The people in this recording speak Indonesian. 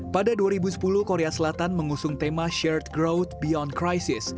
pada dua ribu sepuluh korea selatan mengusung tema shirt growth beyond crisis